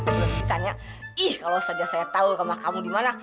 sebelum misalnya ih kalau saja saya tahu rumah kamu dimana